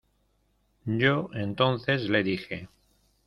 yo entonces le dije: